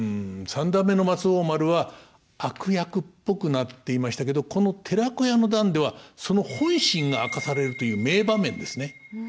三段目の松王丸は悪役っぽくなっていましたけどこの「寺子屋の段」ではその本心が明かされるという名場面ですね。